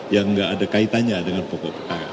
yang gak ada kaitannya dengan pokok perkara